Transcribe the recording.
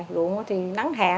ruộng thì nắng hạn